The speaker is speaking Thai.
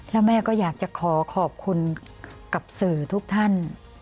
แล้วแม่ก็อยากจะขอขอบคุณกับสื่อทุกท่าน